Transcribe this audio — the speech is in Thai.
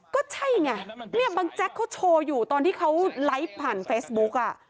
ก็ใช่ไงเนี่ยบางแจ๊กเขาโชว์อยู่ตอนที่เขาไลฟ์ผ่านเฟซบุ๊ก